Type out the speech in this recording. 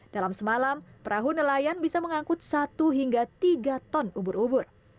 dalam semalam perahu nelayan bisa mengangkut satu hingga tiga ton ubur ubur